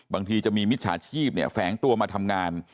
บางทีจะมีมิจฉาชีพแฝงตัวมาทำงาน